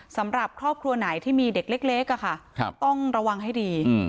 สำหรับครอบครัวไหนที่มีเด็กเล็กต้องระวังให้ดี